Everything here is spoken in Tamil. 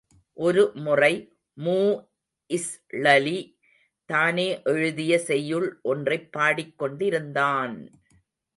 ஒருமுறை மூஇஸ்ளலி, தானே எழுதிய செய்யுள் ஒன்றைப் பாடிக் கொண்டிருந்தான்!